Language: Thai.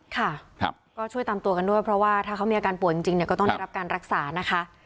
ค่ะก็ช่วยตามตัวกันด้วยเพราะว่าถ้าเขามีอาการป่วยจริงเนี่ยก็ต้องได้รับการรักษานะคะ